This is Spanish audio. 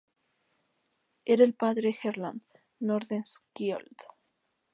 Era el padre de Erland Nordenskiöld.